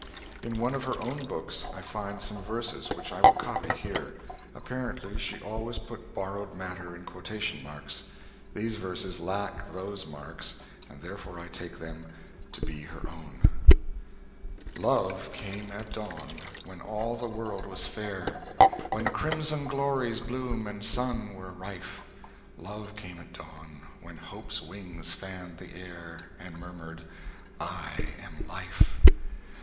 In one of her own books I find some verses which I will copy here. Apparently, she always put borrowed matter in quotation marks. These verses lack those marks, and therefore I take them to be her own: Love came at dawn, when all the world was fair, When crimson glories' bloom and sun were rife; Love came at dawn, when hope's wings fanned the air, And murmured, "I am life."